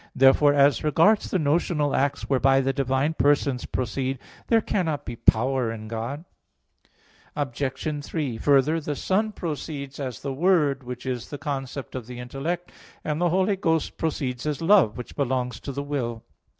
Therefore, as regards the notional acts, whereby the divine persons proceed, there cannot be power in God. Obj. 3: Further, the Son proceeds as the word, which is the concept of the intellect; and the Holy Ghost proceeds as love, which belongs to the will.